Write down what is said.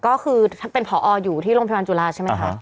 ก็คือท่านเป็นผออยู่ที่โรงพยาบาลจุฬาใช่ไหมคะ